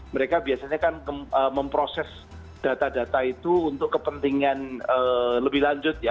mereka biasanya kan memproses data data itu untuk kepentingan lebih lanjut ya